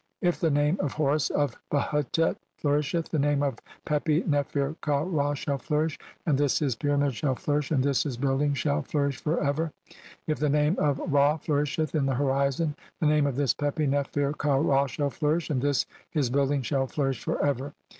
If the name of Horus of Behutet "flourisheth, the name of this Pepi Nefer ka Ra shall "flourish, and this his pyramid shall flourish, and this "his building shall flourish for ever. If the name of "Ra flourisheth in the horizon, the name of this Pepi "Nefer ka Ra shall flourish, and this his building shall "flourish for ever.